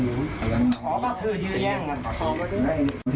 อ๋อประถือที่แย่งมัน